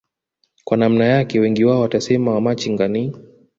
kwa namna yake wengi wao watasema wamachinga ni